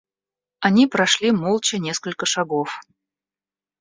Они прошли молча несколько шагов.